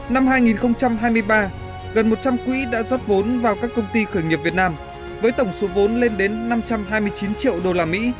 năm hai nghìn hai mươi ba gần một trăm linh quỹ đã rót vốn vào các công ty khởi nghiệp việt nam với tổng số vốn lên đến năm trăm hai mươi chín triệu usd